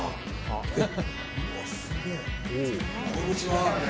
こんにちは。